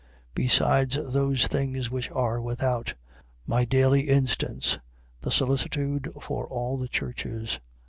Besides those things which are without: my daily instance, the solicitude for all the churches.